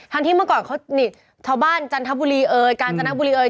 ที่เมื่อก่อนเขานี่ชาวบ้านจันทบุรีเอ่ยกาญจนบุรีเอ่